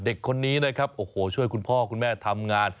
เด็กคนนี้นะครับโอ้โหช่วยคุณพ่อคุณแม่ทำงาน